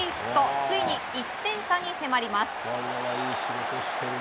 ついに１点差に迫ります。